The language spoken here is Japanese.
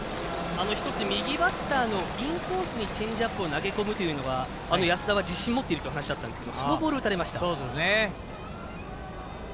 右バッターのインコースにチェンジアップを投げ込むというのは安田は自信を持っているという話があったんですがそのボールを打たれました。